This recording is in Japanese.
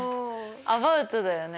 アバウトだよね。